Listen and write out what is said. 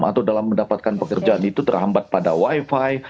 atau dalam mendapatkan pekerjaan itu terhambat pada wi fi